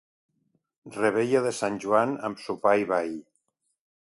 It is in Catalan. Revetlla de Sant Joan amb sopar i ball.